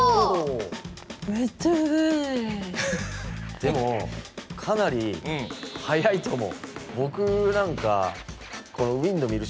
でもかなり早いと思う。